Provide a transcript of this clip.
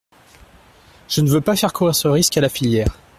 Je ne veux pas faire courir ce risque à la filière.